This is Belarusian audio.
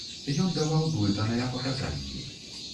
Ён даваў блытаныя паказанні.